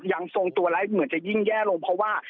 ทรงตัวและเหมือนจะยิ่งแย่ลงเพราะว่า